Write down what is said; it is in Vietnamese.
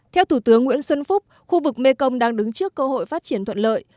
theo thủ tướng nguyễn xuân phúc khu vực mê công đang đứng trước cơ hội phát triển thuận lợi